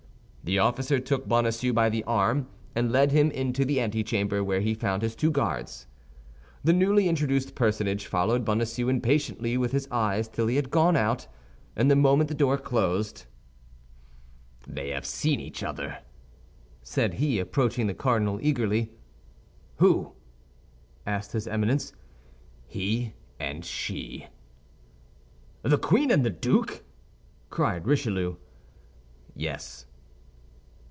The officer took Bonacieux by the arm, and led him into the antechamber, where he found his two guards. The newly introduced personage followed Bonacieux impatiently with his eyes till he had gone out; and the moment the door closed, "They have seen each other;" said he, approaching the cardinal eagerly. "Who?" asked his Eminence. "He and she." "The queen and the duke?" cried Richelieu. "Yes."